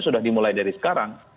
sudah dimulai dari sekarang